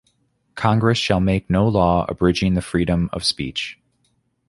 Congress shall make no law abridging the freedom of speech.